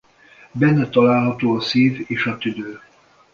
Benne található a szív és a tüdő.